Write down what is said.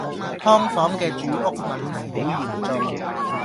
劏房嘅住屋問題好嚴重